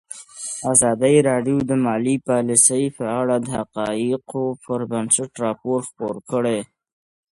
ازادي راډیو د مالي پالیسي په اړه د حقایقو پر بنسټ راپور خپور کړی.